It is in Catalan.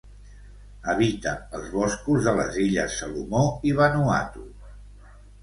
Habita els boscos de les illes Salomó i Vanuatu.